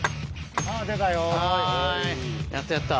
やったやった。